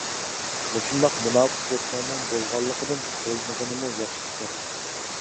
مۇشۇنداق مۇناپىق دوستۇڭنىڭ بولغانلىقىدىن بولمىغىنىمۇ ياخشى ئىكەن.